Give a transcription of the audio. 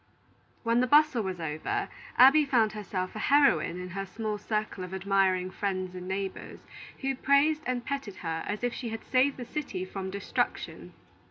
When the bustle was all over, Abby found herself a heroine in her small circle of admiring friends and neighbors, who praised and petted her as if she had saved the city from destruction.